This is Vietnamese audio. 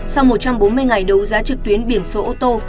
sau một trăm bốn mươi ngày đấu giá trực tuyến biển số ô tô